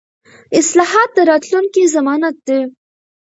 اصلاحات د راتلونکي ضمانت دي